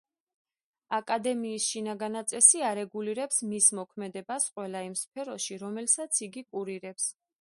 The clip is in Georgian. აკადემიის შინაგანაწესი არეგულირებს მის მოქმედებას ყველა იმ სფეროში, რომელსაც იგი კურირებს.